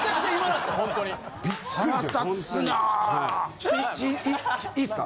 ちょっといいすか？